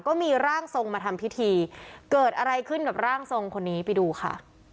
ก็มีร่างทรงมาทำพิธีเกิดอะไรขึ้นกับร่างทรงคนนี้ไปดูค่ะ